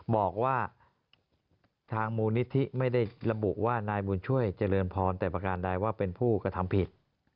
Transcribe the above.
บอกว่าทางมูลนิธิไม่ได้ระบุว่านายบุญช่วยเจริญพรแต่ประการใดว่าเป็นผู้กระทำผิด